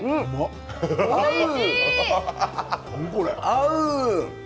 合う！